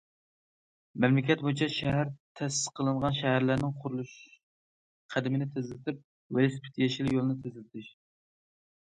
مەملىكەت بويىچە شەھەر تەسىس قىلىنغان شەھەرلەرنىڭ قۇرۇلۇش قەدىمىنى تېزلىتىپ، ۋېلىسىپىت يېشىل يولىنى تېزلىتىش.